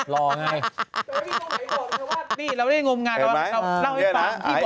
ว่านี่เราได้งงงานเราเล่าให้ต่าง